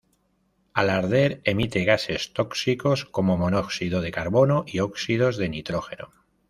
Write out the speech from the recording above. Al arder emite gases tóxicos como monóxido de carbono y óxidos de nitrógeno.